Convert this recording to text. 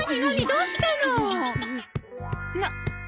どうしたの？な。